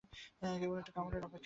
কেবল একটা কামড়ের অপেক্ষা।